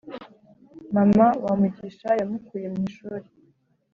Mama wamugisha yamukuye mwishuri